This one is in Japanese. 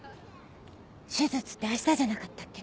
手術って明日じゃなかったっけ？